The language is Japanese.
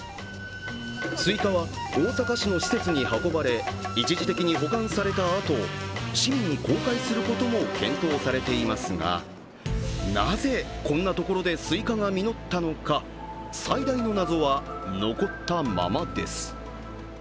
スイカは大阪市の施設に運ばれ、一時的に保管されたあと、市民に公開することも検討されていますがなぜこんなところでスイカが実ったのか最大の謎は、残ったままです。